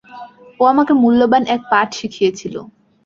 ও আমাকে মূল্যবান এক পাঠ শিখিয়েছিল।